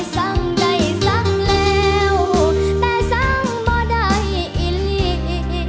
สังใจสังแล้วแต่สังบ่ได้อีก